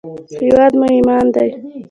هېواد مو ایمان دی